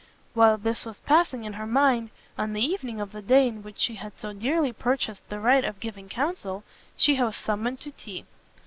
While this was passing in her mind, on the evening of the day in which she had so dearly purchased the right of giving counsel, she was summoned to tea.